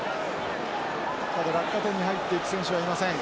ただ落下点に入っていく選手がいません。